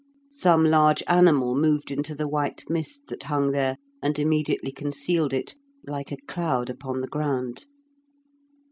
Some large animal moved into the white mist that hung there and immediately concealed it, like a cloud upon the ground.